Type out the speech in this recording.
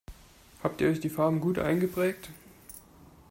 Habt ihr euch die Farben gut eingeprägt?